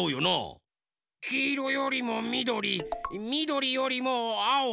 きいろよりもみどりみどりよりもあお。